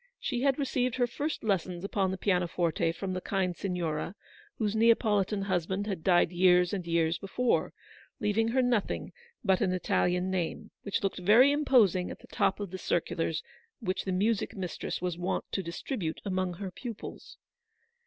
She had received her first lessons upon the pianoforte from the kind Signora, whose Neapolitan husband had died years and years before, leaving her nothing but an Italian name, which looked very impos ing at the top of the circulars which the music mistress was wont to distribute amongst her pupils.